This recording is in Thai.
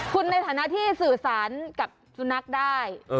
คุณในฐานะที่สื่อสารกับสุนัขได้